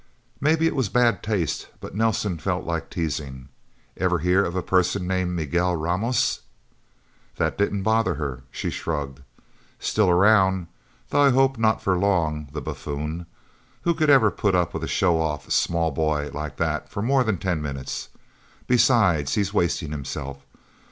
Maybe it was bad taste, but Nelsen felt like teasing. "Ever hear of a person named Miguel Ramos?" That didn't bother her. She shrugged. "Still around, though I hope not for long, the buffoon! Who could ever put up with a show off small boy like that for more than ten minutes? Besides, he's wasting himself.